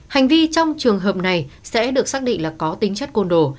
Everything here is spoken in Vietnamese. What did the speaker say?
hành vi trong trường hợp này sẽ được xác định là có tính chất côn đồ